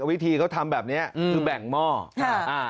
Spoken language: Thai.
วิธีเขาทำแบบเนี้ยอืมคือแบ่งหม้อครับอ่า